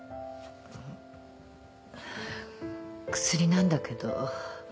薬なんだけど。